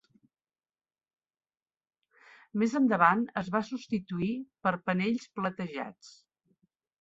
Més endavant es va substituir per panells platejats.